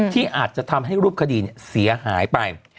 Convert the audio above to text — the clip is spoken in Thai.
ที่อาจจะทำให้รูปคดีเสียหายไป